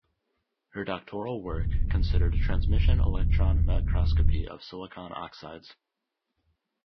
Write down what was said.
Her doctoral work considered transmission electron microscopy of silicon oxides.